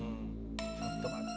ちょっと待って。